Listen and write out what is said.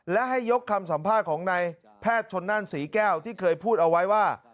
และให้ยกคำสัมภาษณ์ของนายแพทย์ชนนั่นศรีแก้วที่เคยพูดเอาไว้ว่า